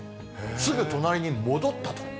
すぐ隣に戻ったと。